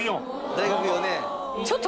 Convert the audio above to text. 大学４年。